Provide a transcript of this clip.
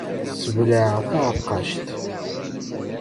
Sbelɛeɣ taɛeqqact.